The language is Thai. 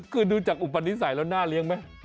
คือดูจากอุปนิสัยแล้วน่าเลี้ยงไหม